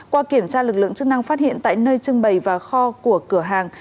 qua kiểm tra lực lượng chức năng phát hiện tại nơi trưng bày và kho của cửa hàng